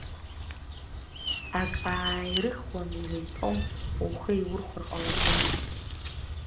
Ак ааирыхуам, илеиҵом, ухы иаурхәар ҟалаӡом.